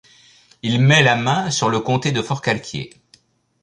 Il met le main sur le comté de Forcalquier.